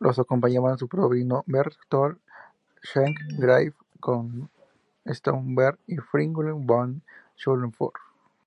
Lo acompañaban su sobrino Berthold Schenk Graf von Stauffenberg y Fritz-Dietlof von der Schulenburg.